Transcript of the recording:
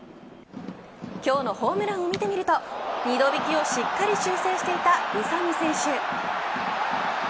今日のホームランを見てみると２度引きをしっかり修正していた宇佐見選手。